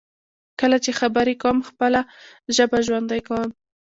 کله چې خبرې کوم، خپله ژبه ژوندی کوم.